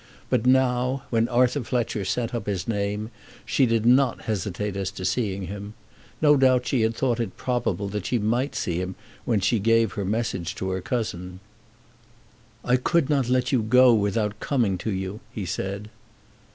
But now, when Arthur Fletcher sent up his name, she did not hesitate as to seeing him. No doubt she had thought it probable that she might see him when she gave her message to her cousin. "I could not let you go without coming to you," he said.